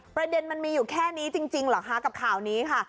มันมีอยู่แค่นี้จริงเหรอคะกับข่าวนี้ค่ะ